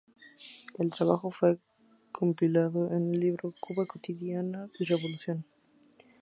El trabajo fue compilado en el libro "Cuba, vida cotidiana y revolución".